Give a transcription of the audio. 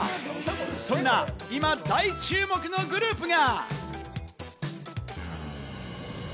そんな今、大注目のグループが。